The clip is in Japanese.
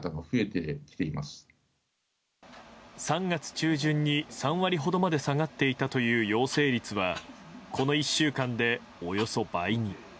３月中旬に３割ほどまで下がっていたという陽性率はこの１週間でおよそ倍に。